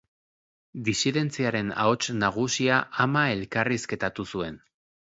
Disidentziaren ahots nagusia ama elkarrizketatu zuen.